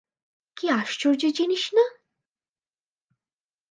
কি আশ্চর্য জিনিস না?